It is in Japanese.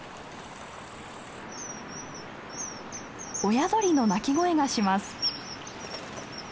親鳥の鳴き声がします。